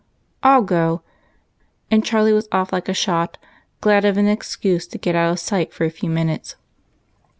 " I '11 go !" and Charlie was off like a shot, glad of an excuse to get out of sight for a few minutes.